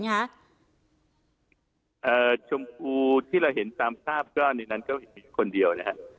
กดชมพูที่เราเห็นตามสะพ้านะนั้นก็มีคนเดียว